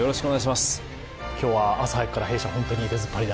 今日は朝早くから弊社出ずっぱりで。